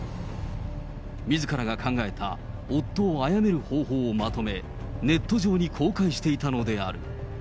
みずからが考えた夫を殺める方法をまとめ、ネット上に公開していたのである。